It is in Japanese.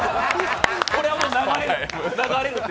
これはもう流れるって。